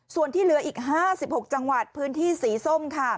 ส่วนที่เหลืออีก๕๖จังหวัดพื้นที่สีส้มค่ะ